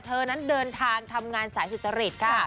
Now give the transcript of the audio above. เธอนั้นเดินทางทำงานสายสุจริตค่ะ